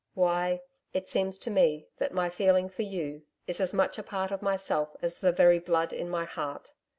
Why, it seems to me that my feeling for you is as much a part of myself as the very blood in my heart.